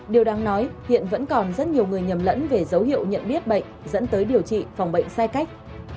điều đáng nói hiện vẫn còn rất nhiều người nhầm lẫn về dấu hiệu nhận biết bệnh dẫn tới điều trị phòng bệnh sai cách